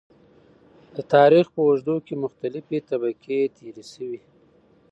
د تاريخ په اوږدو کې مختلفې طبقې تېرې شوي .